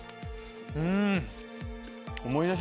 うん。